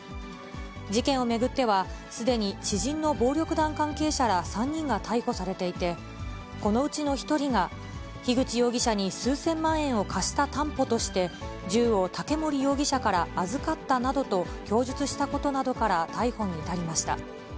事件を巡っては、すでに知人の暴力団関係者ら３人が逮捕されていて、このうちの１人が、樋口容疑者に数千万円を貸した担保として、銃を武森容疑者から預かったなどと供述したことなどから逮捕に至りました。